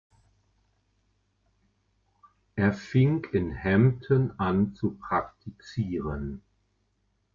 Er fing in Hampton an zu praktizieren.